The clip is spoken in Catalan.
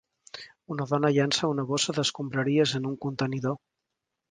Una dona llança una bossa d'escombraries en un contenidor.